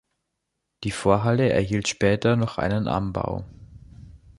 Die Vorhalle erhielt später noch einen Anbau.